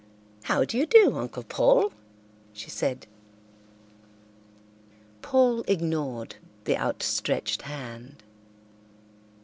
"How do you do, Uncle Paul?" she said. Paul ignored the outstretched hand.